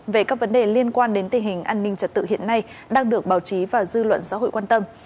về các vấn đề liên quan đến tình hình an ninh trật tự hiện nay đang được báo chí và dư luận xã hội quan tâm